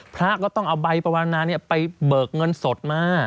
พระก็ต้องเอาใบปวรณาไปเบิกเงินสดมา